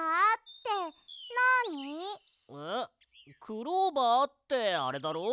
クローバーってあれだろ？